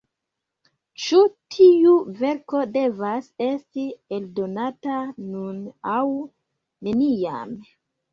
Ĉi tiu verko devas esti eldonata nun aŭ neniam.